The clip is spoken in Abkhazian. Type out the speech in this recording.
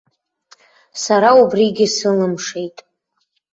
Сара убригьы сылымшеит.